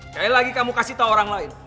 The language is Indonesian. jaya lagi kamu kasih tau orang lain